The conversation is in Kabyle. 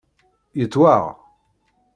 Yettwaɣ?